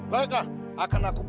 baiklah akan aku ambil